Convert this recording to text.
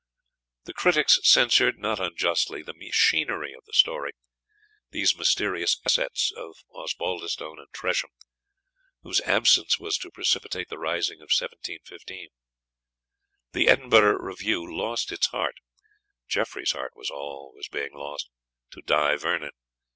The critics censured, not unjustly, the "machinery" of the story, these mysterious "assets" of Osbaldistone and Tresham, whose absence was to precipitate the Rising of 1715. The "Edinburgh Review" lost its heart (Jeffrey's heart was always being lost) to Di Vernon.